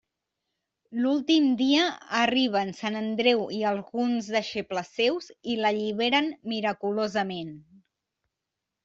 L'últim dia arriben Sant Andreu i alguns deixebles seus i l'alliberen miraculosament.